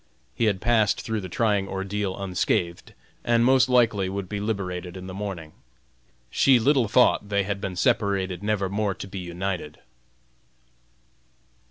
He had passed through the trying ordeal unscathed and most likely would be liberated in the morning. She little thought they had been separated never more to be united.